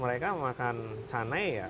mereka makan canai ya